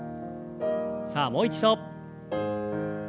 さあもう一度。